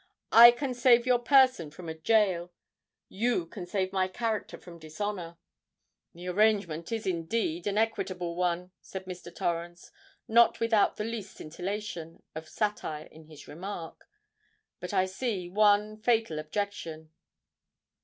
I can save your person from a gaol—you can save my character from dishonour." "The arrangement is indeed an equitable one," said Mr. Torrens, not without the least scintillation of satire in his remark: "but I see one fatal objection."